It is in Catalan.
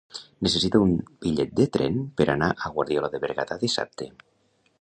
Necessito un bitllet de tren per anar a Guardiola de Berguedà dissabte.